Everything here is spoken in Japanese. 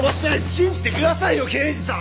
信じてくださいよ刑事さん！